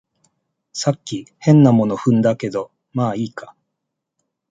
さっき変なもの踏んだけど、まあいいか